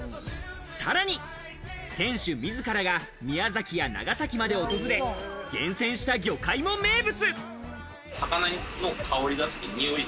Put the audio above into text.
さらに店主自らが宮崎や長崎まで訪れ、厳選した魚介も名物。